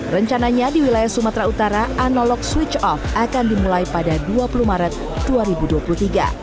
rencananya di wilayah sumatera utara analog switch off akan dimulai pada dua puluh maret dua ribu dua puluh tiga